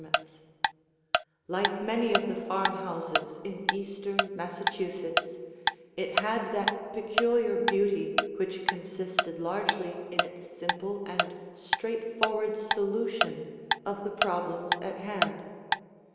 [Illustration: THREE ACRES FRONT VIEW] Like many of the farmhouses in eastern Massachusetts, it had that peculiar beauty which consisted largely in its simple and straightforward solution of the problems at hand.